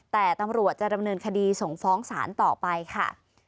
แต่ตำรวจจะดำเนินคดีส่งฟ้องศาลต่อไปค่ะ